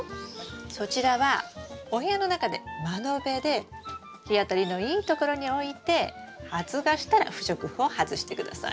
そちらはお部屋の中で窓辺で日当たりのいいところに置いて発芽したら不織布を外して下さい。